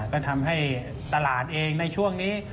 ก็ทำให้ตลาดเองในช่วงนี้